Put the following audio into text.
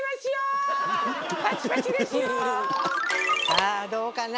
さあどうかな？